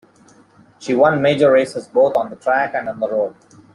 She won major races both on the track, and on the road.